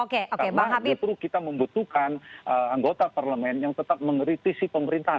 karena kita membutuhkan anggota parlemen yang tetap mengeritisi pemerintahan